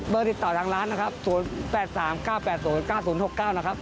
ติดต่อทางร้านนะครับ๐๘๓๙๘๐๙๐๖๙นะครับ